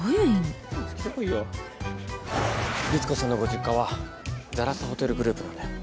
リツコさんのご実家はザラスホテルグループなんだよ。